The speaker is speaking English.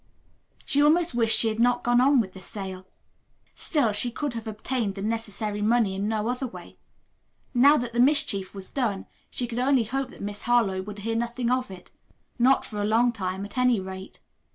She almost wished she had not gone on with the sale. Still she could have obtained the necessary money in no other way. Now that the mischief was done she could hope only that Miss Harlowe would hear nothing of it not for a long time, at any rate.